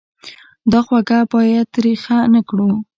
دا خوږه باید تریخه نه کړو.